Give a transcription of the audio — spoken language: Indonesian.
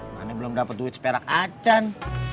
mana belum dapat duit seperak acan